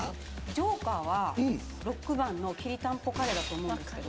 ジョーカーは６番のきりたんぽカレーだと思うんですけど